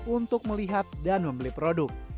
untuk melihat dan membeli produk